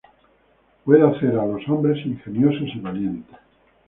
Puede hacer a los hombres ingeniosos y valientes.